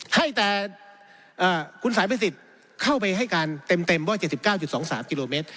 ให้แต่คุณสายประสิทธิ์เข้าไปให้การเต็มว่า๗๙๒๓กิโลเมตร